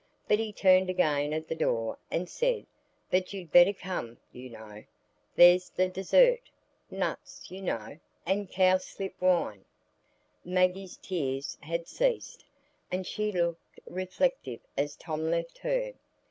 But he turned again at the door and said, "But you'd better come, you know. There's the dessert,—nuts, you know, and cowslip wine." Maggie's tears had ceased, and she looked reflective as Tom left her.